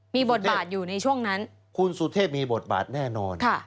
มีบทบาทอยู่ในช่วงนั้นคุณสุเทพมีบทบาทแน่นอน